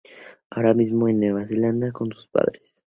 Lim vive ahora mismo en Nueva Zelanda con sus padres.